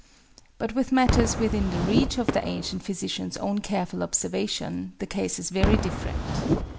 But with matters within the reach of the Ancient Physician's own careful observation, the case is very different.